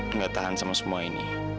enggak tahan sama semua ini